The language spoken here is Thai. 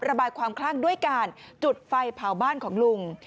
ระบายความคลั่งด้วยการจุดไฟเผาบ้านของลุง